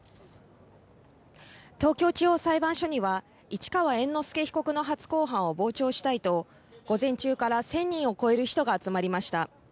東京地方裁判所には市川猿之助被告の初公判を傍聴したいと午前中から１０００人を超える人が集まりました。